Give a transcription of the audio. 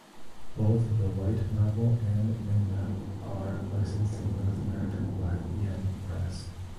Both the light novel and manga are licensed in North America by Yen Press.